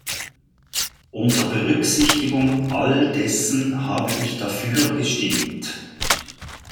Unter Berücksichtigung all dessen habe ich dafür gestimmt.